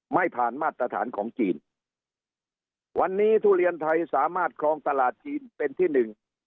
ไม่ผ่านมาตรฐานของจีนวันนี้ทุเรียนไทยสามารถครองตลาดจีนเป็นที่หนึ่ง